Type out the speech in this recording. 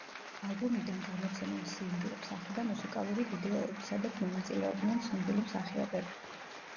ალბომიდან გამოცემულ სინგლებს ახლდა მუსიკალური ვიდეოები, სადაც მონაწილეობდნენ ცნობილი მსახიობები.